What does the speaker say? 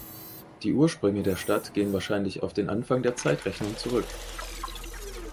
Die Ursprünge der Stadt gehen wahrscheinlich auf den Anfang der Zeitrechnung zurück.